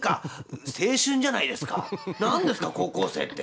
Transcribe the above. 「何ですか高校生って。